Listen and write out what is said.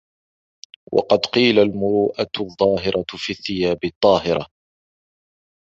وَقَدْ قِيلَ الْمُرُوءَةُ الظَّاهِرَةُ فِي الثِّيَابِ الطَّاهِرَةِ